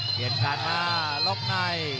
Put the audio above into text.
เปลี่ยนการมาล็อกใน